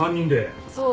そう。